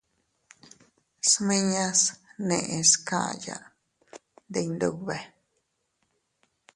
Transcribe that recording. Smiñas neʼes kaya ndi Iyndube.